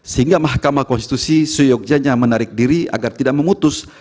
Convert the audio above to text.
sehingga mahkamah konstitusi seyogjanya menarik diri agar tidak memutus